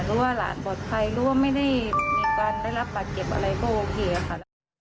ว่าหลานปลอดภัยหรือว่าไม่ได้มีการได้รับบาดเจ็บอะไรก็โอเคค่ะ